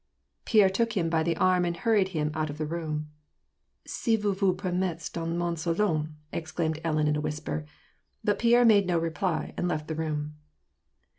Pierre took him by the arm and hurried him out of the room. " Si vous vous permettez dans man salotif" exclaimed Ellen, in a whisper; but Pierre made her no reply, and left the room.